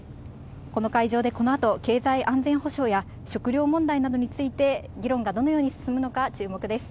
この会場でこのあと経済安全保障や食料問題などについて、議論がどのように進むのか、注目です。